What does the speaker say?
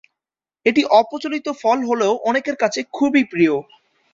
এটি অপ্রচলিত ফল হলেও অনেকের কাছে খুবই প্রিয়।